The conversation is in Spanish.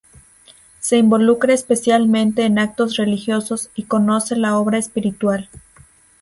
Se involucra especialmente en actos religiosos y conoce la obra espiritual.